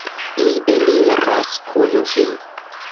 Mi eliras kun vi.